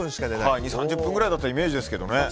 ２０３０分くらいのイメージですけどね。